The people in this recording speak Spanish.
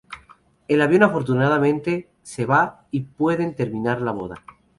El avión, afortunadamente, se va y pueden terminar la boda.